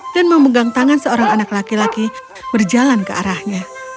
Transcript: dan memegang tangan seorang anak laki laki berjalan ke arahnya